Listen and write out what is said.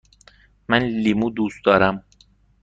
من لیمو دوست دارم.